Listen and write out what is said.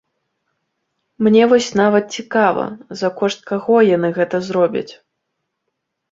Мне вось нават цікава, за кошт каго яны гэта зробяць?